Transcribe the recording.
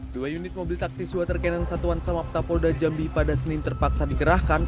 dua unit mobil taktis water cannon satuan samapta polda jambi pada senin terpaksa dikerahkan